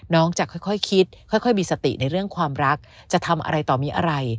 จะค่อยคิดค่อยมีสติในเรื่องความรักจะทำอะไรต่อมีอะไร